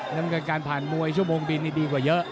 น้ำเงินการผ่านมวยชั่วโมงบินนี่ดีกว่าเยอะ